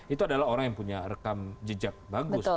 itu adalah orang yang punya rekam jejak bagus